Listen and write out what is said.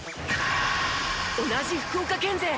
同じ福岡県勢